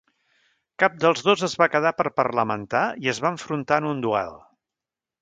Cap dels dos es va quedar per parlamentar, i es va enfrontar en un duel.